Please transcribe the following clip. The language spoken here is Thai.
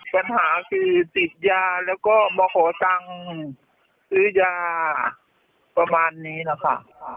ปัญหาคือติดยาแล้วก็มาขอตังค์ซื้อยาประมาณนี้นะคะ